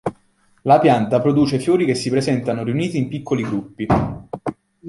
La pianta produce fiori che si presentano riuniti in piccoli gruppi.